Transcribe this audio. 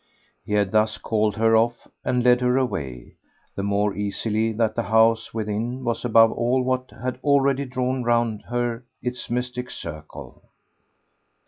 He had thus called her off and led her away; the more easily that the house within was above all what had already drawn round her its mystic circle.